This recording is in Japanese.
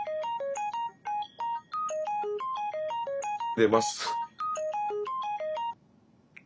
出ます。